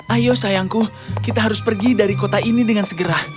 ayo sayangku kita harus pergi dari kota ini dengan segera